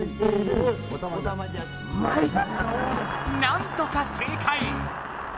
なんとか正解！